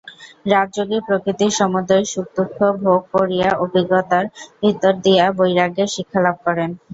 রাজযোগী প্রকৃতির সমুদয় সুখদুঃখ ভোগ করিয়া অভিজ্ঞতার ভিতর দিয়া বৈরাগ্যের শিক্ষা লাভ করেন।